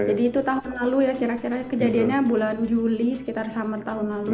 jadi itu tahun lalu ya kira kira kejadiannya bulan juli sekitar summer tahun lalu